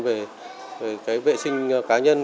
về vệ sinh cá nhân